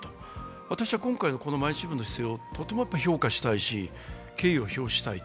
私は今回の毎日新聞の姿勢をとても評価したいと思いますし敬意を表したいと。